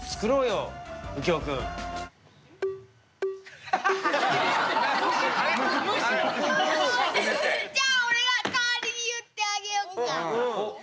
うきょうくん。じゃあ俺が代わりに言ってあげよっか？